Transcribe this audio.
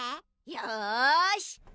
よし。